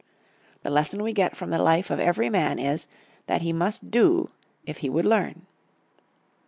The lesson we get from the life of every man is, that he must do if he would learn.